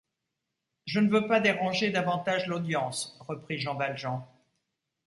Je ne veux pas déranger davantage l’audience, reprit Jean Valjean.